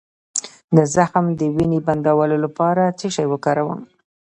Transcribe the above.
د زخم د وینې بندولو لپاره څه شی وکاروم؟